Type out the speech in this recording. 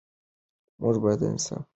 موږ باید انصاف ولرو.